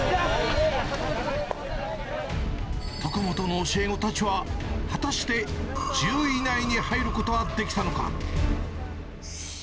徳本の教え子たちは、果たして１０位以内に入ることはできたのか。